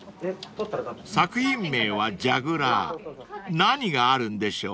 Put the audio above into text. ［作品名は『ジャグラー』何があるんでしょう？］